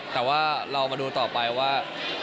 แต่ว่าเรามาดูต่อไปว่า